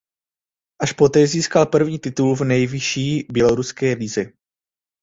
Až poté získal první titul ve nejvyšší běloruské lize.